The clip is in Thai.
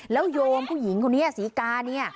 แล้วโยมผู้หญิงคนนี้สิการี่